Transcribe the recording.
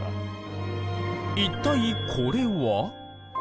一体これは？